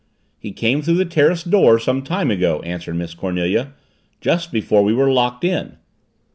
"He came through the terrace door some time ago," answered Miss Cornelia. "Just before we were locked in."